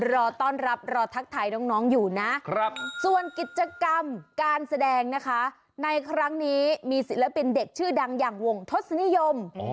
รอต้อนรับรอทักทายน้องอยู่นะส่วนกิจกรรมการแสดงนะคะในครั้งนี้มีศิลปินเด็กชื่อดังอย่างวงทศนิยม